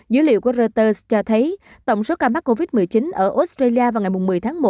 dữ liệu của reuters cho thấy tổng số ca mắc covid một mươi chín ở australia vào ngày một mươi tháng một